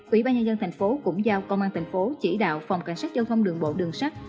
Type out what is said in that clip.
ủy ban nhân dân tp hcm cũng giao công an tp hcm chỉ đạo phòng cảnh sát giao thông đường bộ đường sắt